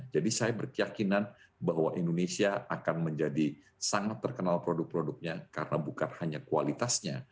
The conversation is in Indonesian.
jadi saya berkeyakinan bahwa indonesia akan menjadi sangat terkenal produk produknya karena bukan hanya kualitasnya